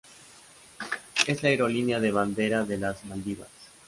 Es la aerolínea de bandera de las Maldivas.